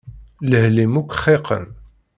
Lehl-im akk xiqen.